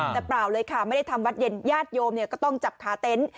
แต่เปล่าเลยค่ะไม่ได้ทำวัดเย็นญาติโยมก็ต้องจับขาเต็นต์